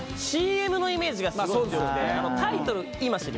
ＣＭのイメージがすごい強くて。